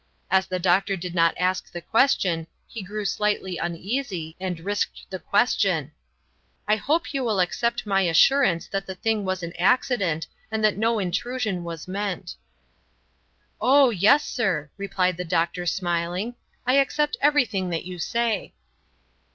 As the doctor did not ask the question, he grew slightly uneasy, and risked the question: "I hope you will accept my assurance that the thing was an accident and that no intrusion was meant." "Oh, yes, sir," replied the doctor, smiling, "I accept everything that you say."